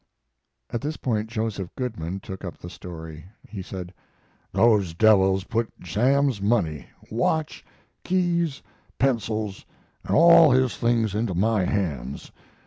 At this point Joseph Goodman took up the story. He said: "Those devils put Sam's money, watch, keys, pencils, and all his things into my hands.